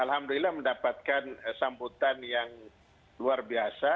alhamdulillah mendapatkan sambutan yang luar biasa